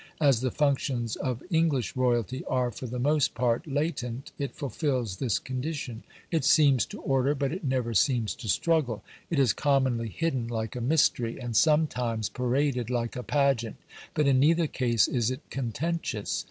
As the functions of English royalty are for the most part latent, it fulfils this condition. It seems to order, but it never seems to struggle. It is commonly hidden like a mystery, and sometimes paraded like a pageant, but in neither case is it contentious.